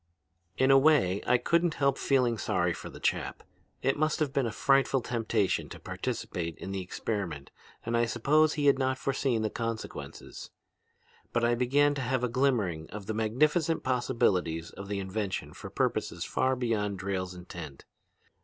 "In a way I couldn't help feeling sorry for the chap. It must have been a frightful temptation to participate in the experiment and I suppose he had not forseen the consequences. But I began to have a glimmering of the magnificent possibilities of the invention for purposes far beyond Drayle's intent.